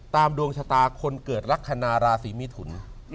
ตามดวงชะตาคนเกิดรักษณราศรีมีทุน